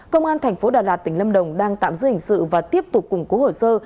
công an thành phố đà lạt tỉnh lâm đồng đang tạm giữ hình sự và tiếp tục củng cố hồ sơ